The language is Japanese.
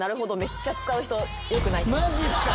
マジっすか？